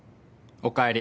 おかえり！